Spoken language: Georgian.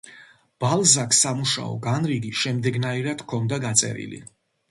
ბალზაკს სამუშაო განრიგი შემდეგნაირად ჰქონდა გაწერილი.